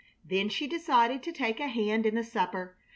Then she decided to take a hand in the supper.